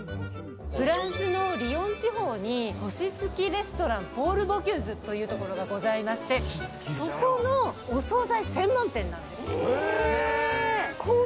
フランスのリヨン地方に星つきレストラン、ポール・ボキューズというところがございまして、そこのお総菜専門店なんです。